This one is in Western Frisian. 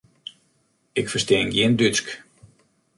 Ik ferstean gjin Dútsk.